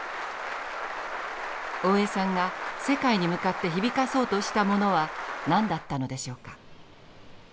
大江さんが世界に向かって響かそうとしたものは何だったのでしょうか。